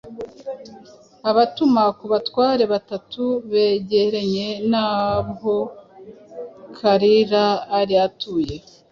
abatuma ku batware batatu begeranye n'aho Kalira ari atuye,